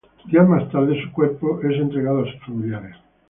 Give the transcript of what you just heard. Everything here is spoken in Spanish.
Días más tarde, su cuerpo es entregado a sus familiares.